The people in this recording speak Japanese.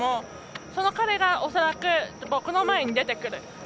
その彼が恐らく僕の前に出てくる。